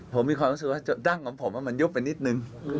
ผมมีความรู้สึกว่าดั้งของผมมันยุบไปนิดนึง